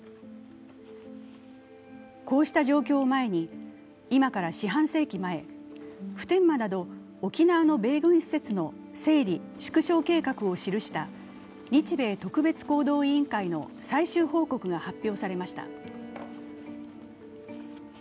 こうした状況を前に今から四半世紀前、普天間など沖縄の米軍施設の整理・縮小計画を記した日米特別行動委員会の最終報告が発表されました。